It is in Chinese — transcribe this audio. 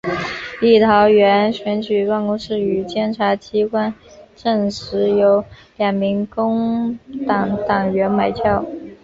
立陶宛选举办公室与检察机关证实有两名工党党员买票。